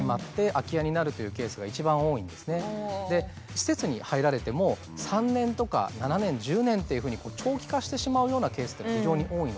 施設に入られても３年とか７年１０年というふうに長期化してしまうようなケースというのが非常に多いので。